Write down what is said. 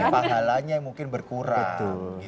tapi pahalanya mungkin berkurang